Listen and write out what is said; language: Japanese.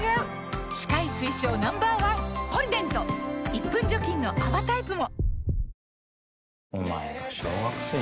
１分除菌の泡タイプも！